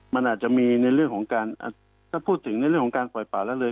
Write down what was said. มันอาจจะมีในเรื่องของการถ้าพูดถึงในเรื่องของการปล่อยป่าละเลย